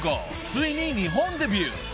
ついに日本デビュー。